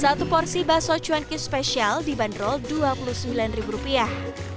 satu porsi bakso cuanki spesial dibanderol dua puluh sembilan ribu rupiah